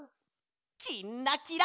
「きんらきら」。